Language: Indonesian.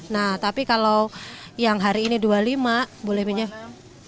nah tapi kalau yang hari ini dua puluh lima boleh minyak